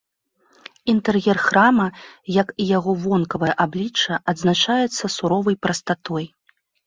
Інтэр'ер храма, як і яго вонкавае аблічча, адзначаецца суровай прастатой.